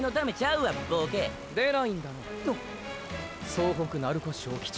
総北鳴子章吉。